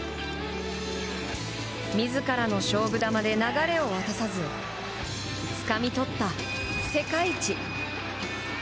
自らの勝負球で流れを渡さずつかみ取った世界一。